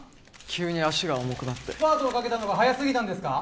急に足が重くなってスパートをかけたのが早すぎたんですか？